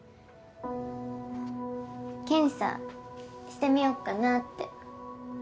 検査してみようかなって。